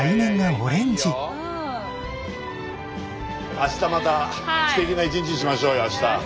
明日またすてきな一日にしましょうよ。